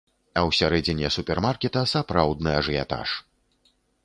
А ўсярэдзіне супермаркета сапраўдны ажыятаж.